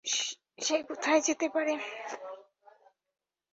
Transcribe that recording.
সে কোথায় যেতে পারে?